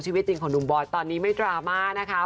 ชีวิตจริงของหนุ่มบอยตอนนี้ไม่ดราม่านะคะ